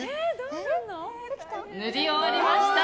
塗り終わりました！